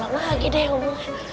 jatuh ulang lagi deh om